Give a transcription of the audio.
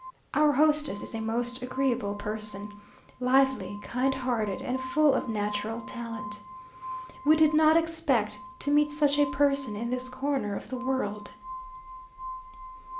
Our hostess is a most agreeable person; lively, kind hearted, and full of natural talent. We did not expect to meet such a person in this corner of the world.